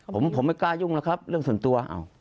ผมไม่กล้ายุ่งแล้วครับเรื่องส่วนตัว